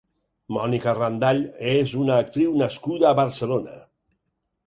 Mònica Randall és una actriu nascuda a Barcelona.